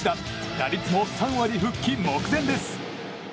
打率も３割復帰目前です。